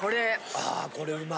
あこれうまい。